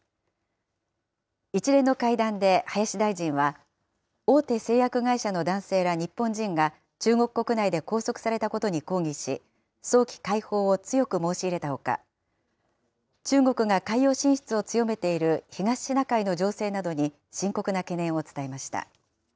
一連の会談で林大臣は、大手製薬会社の男性ら日本人が中国国内で拘束されたことに抗議し、早期解放を強く申し入れたほか、中国が海洋進出を強めている東シナ海の情勢などに深刻な懸念を伝えました。